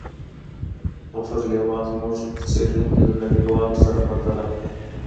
غفور لیوال زموږ څېړني له نړیوالو سره پرتله کړې.